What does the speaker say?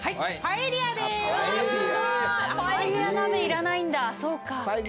パエリア鍋いらないんだそうか。